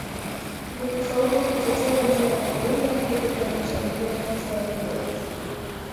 Lilifaulu kutetea eneo la ukoloni wake dhidi ya mashambulio ya kwanza ya Waingereza